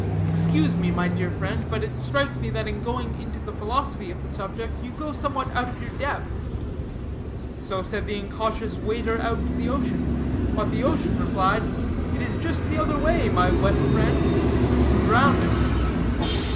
Excuse me, my dear friend, but it strikes me that in going into the philosophy of the subject, you go somewhat out of your depth." "So said the incautious wader out to the ocean; but the ocean replied: 'It is just the other way, my wet friend,' and drowned him."